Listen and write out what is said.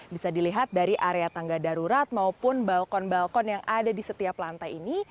bisa dilihat dari area tangga darurat maupun balkon balkon yang ada di setiap lantai ini